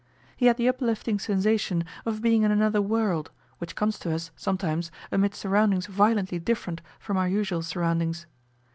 He had the uplifting sensation of being in another world which comes to us sometimes amid surroundings violently different from our usual surroundings.